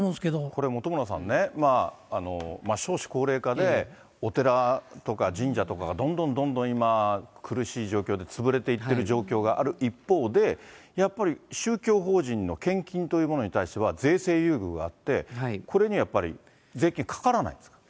これ本村さんね、少子高齢化で、お寺とか神社とかがどんどんどんどん、今、苦しい状況で潰れていってる状況がある一方で、やっぱり宗教法人の献金というものに対しては、税制優遇があって、これにはやっぱり税金かからないんですか。